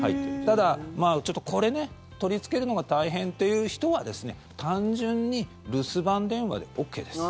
ただ、ちょっと、これ取りつけるのが大変という人は単純に留守番電話でＯＫです。